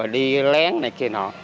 đi lén này kia nọ